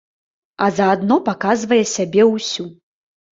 А заадно паказвае сябе ўсю.